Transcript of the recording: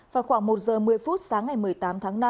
vào khoảng một giờ một mươi phút sáng ngày một mươi tám tháng năm